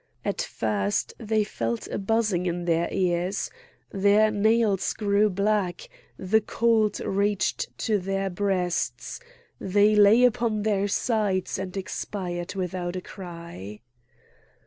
At first they felt a buzzing in their ears, their nails grew black, the cold reached to their breasts; they lay upon their sides and expired without a cry.